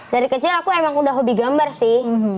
dari kecil aku emang udah hobi gambar sih